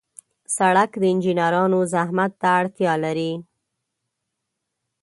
سړک د انجنیرانو زحمت ته اړتیا لري.